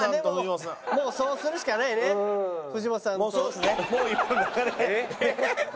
まあでももうそうするしかないね藤本さんと。ハハハハ！